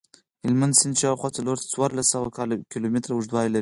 هلمند سیند شاوخوا څوارلس سوه کیلومتره اوږدوالی لري.